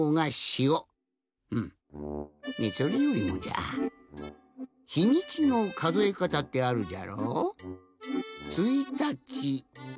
それよりもじゃひにちのかぞえかたってあるじゃろ。